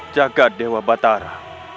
jaga dewa batara